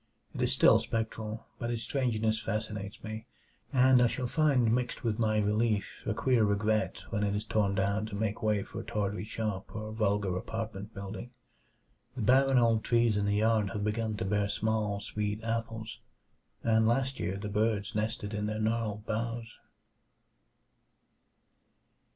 It is still spectral, but its strangeness fascinates me, and I shall find mixed with my relief a queer regret when it is torn down to make way for a tawdry shop or vulgar apartment building. The barren old trees in the yard have begun to bear small, sweet apples, and last year the birds nested in their gnarled boughs.